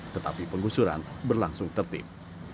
tetapi penggusuran berlangsung tertib